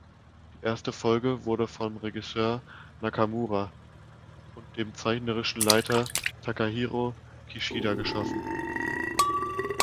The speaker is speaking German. Die erste Folge wurde von Regisseur Nakamura und dem zeichnerischen Leiter Takahiro Kishida geschaffen.